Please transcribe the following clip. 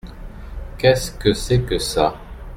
Qu’est-ce que c’est que ça !